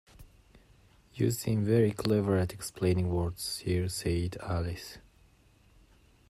‘You seem very clever at explaining words, Sir,’ said Alice.